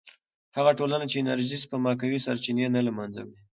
هغه ټولنه چې انرژي سپما کوي، سرچینې نه له منځه وړي.